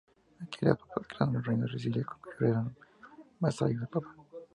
Aquí los papas crearon el Reino de Sicilia, cuyos reyes eran vasallos del papa.